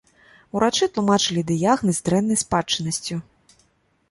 Урачы тлумачылі дыягназ дрэннай спадчыннасцю.